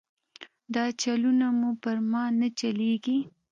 دا چلونه مو پر ما نه چلېږي.